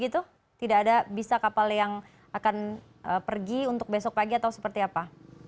tidak ada bisa kapal yang akan pergi untuk besok pagi atau seperti apa